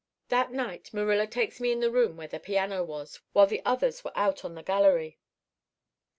"That night Marilla takes me in the room where the piano was, while the others were out on the gallery.